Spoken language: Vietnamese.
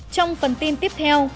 trong phần tin tiếp theo